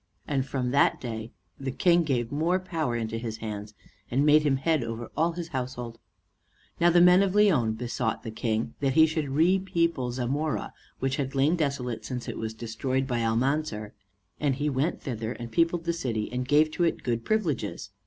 And from that day che King gave more power into his hands, and made him head over all his household. Now the men of Leon besought the King that he should repeople Zamora, which had lain desolate since it was destroyed by Almanzor. And he went thither and peopled the city, and gave to it good privileges.